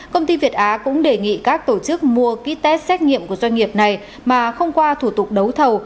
công ty việt á cũng đề nghị các tổ chức mua ký test xét nghiệm của doanh nghiệp này mà không qua thủ tục đấu thầu